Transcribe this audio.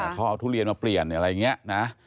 เขาเอาทุเรียนมาเปลี่ยนอะไรอย่างนี้นะ